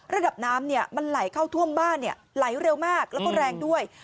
ระดับน้ำมันไหลเข้าท่วมบ้านไหลเร็วมากแล้วก็แรงด้วย